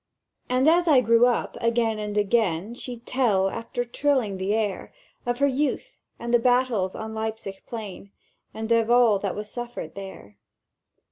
"And as I grew up, again and again She'd tell, after trilling that air, Of her youth, and the battles on Leipzig plain And of all that was suffered there!